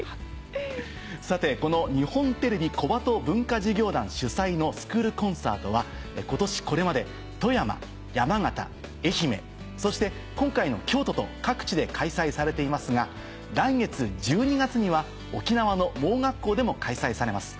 さてこの日本テレビ小鳩文化事業団主催のスクールコンサートは今年これまで富山山形愛媛そして今回の京都と各地で開催されていますが来月１２月には沖縄の盲学校でも開催されます。